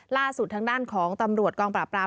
ล่าสุดทางด้านของตำรวจกองปราบราม